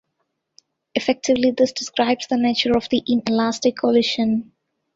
Effectively, this describes the nature of the inelastic collision.